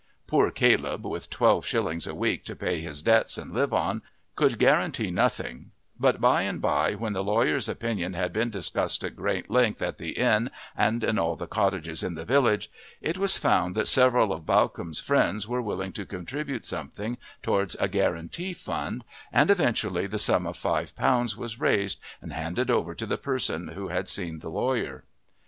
Poor Caleb, with twelve shillings a week to pay his debts and live on, could guarantee nothing, but by and by when the lawyer's opinion had been discussed at great length at the inn and in all the cottages in the village, it was found that several of Bawcombe's friends were willing to contribute something towards a guarantee fund, and eventually the sum of five pounds was raised and handed over to the person who had seen the lawyer.